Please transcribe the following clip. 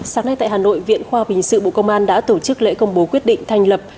sáng nay tại hà nội viện khoa bình sự bộ công an đã tổ chức lễ công bố quyết định thành lập